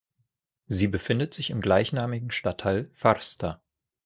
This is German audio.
Sie befindet sich im gleichnamigen Stadtteil Farsta.